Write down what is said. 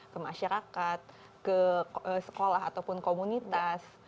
ke masyarakat ke sekolah ataupun komunitas